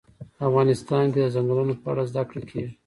افغانستان کې د چنګلونه په اړه زده کړه کېږي.